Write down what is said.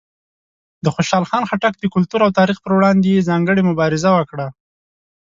د خوشحال خان خټک د کلتور او تاریخ پر وړاندې یې ځانګړې مبارزه وکړه.